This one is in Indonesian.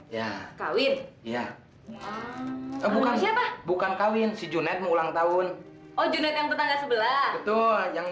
ya kawin iya bukan bukan kawin si junaid ulang tahun oh junaid yang tetangga sebelah tuh yang